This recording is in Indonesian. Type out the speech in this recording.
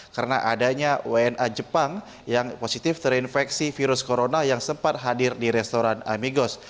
karena adanya wna jepang yang positif terinfeksi virus corona yang sempat hadir di restoran amigos